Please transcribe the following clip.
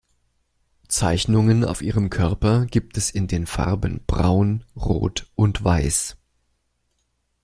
Zeichnungen auf ihrem Körper gibt es in den Farben braun, rot und weiß.